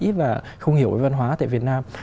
anh ta không hiểu về văn hóa tại việt nam